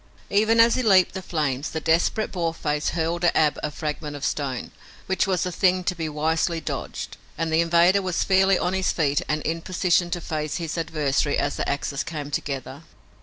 Even as he leaped the flames, the desperate Boarface hurled at Ab a fragment of stone, which was a thing to be wisely dodged, and the invader was fairly on his feet and in position to face his adversary as the axes came together.